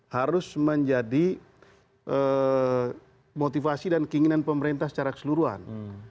harus menjadi motivasi dan keinginan pemerintah secara keseluruhan